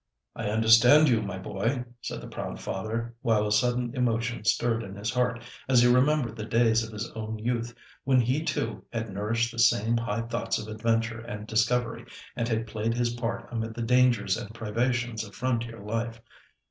"I understand you, my boy," said the proud father, while a sudden emotion stirred his heart, as he remembered the days of his own youth, when he too had nourished the same high thoughts of adventure and discovery, and had played his part amid the dangers and privations of frontier life.